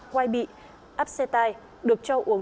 hoai bị áp xe tai được cho uống